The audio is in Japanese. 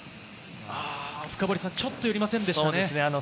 ちょっと寄りませんでしたね。